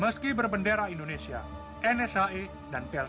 meski berbendera indonesia nshe dan plta batang toru nyaris dikuasai entitas yang berpengaruh